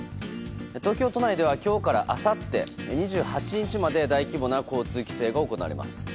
東京都内では今日からあさって２８日まで大規模な交通規制が行われます。